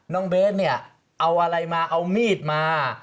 เบสเนี่ยเอาอะไรมาเอามีดมา